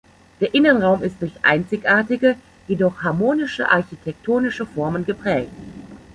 Der Innenraum ist durch einzigartige, jedoch harmonische architektonische Formen geprägt.